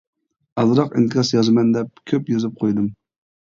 ئازراق ئىنكاس يازىمەن دەپ كۆپ يېزىپ قويدۇم.